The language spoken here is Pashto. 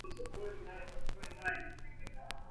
څوک د یوه ښه او سوکاله ژوند لپاره ډېري قربانۍ ورکوي؟